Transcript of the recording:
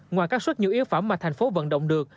ngoài các suất nhiều yếu phẩm mà thành phố vận động được